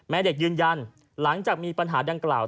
แม่เด็กยืนยันหลังจากมีปัญหาดังกล่าว